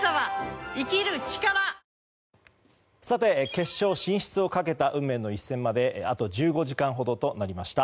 決勝進出をかけた運命の一戦まであと１５時間ほどとなりました。